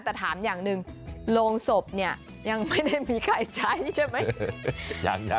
แต่ถามอย่างหนึ่งโรงศพเนี่ยยังไม่ได้มีใครใช้ใช่ไหม